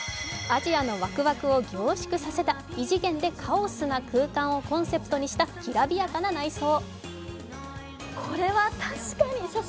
アジアのワクワクを凝縮させた異次元で顔砂空間をコンセプトにしたきらびやかな内装。